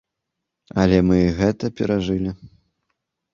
Але мы і гэта перажылі.